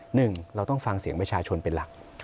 หนึ่งเราต้องฟังเสียงประชาชนเป็นหลัก